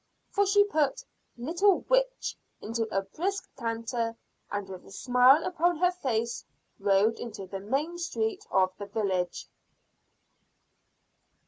For she put "Little Witch" into a brisk canter, and with a smile upon her face rode into the main street of the village.